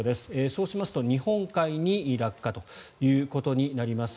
そうしますと日本海に落下ということになります。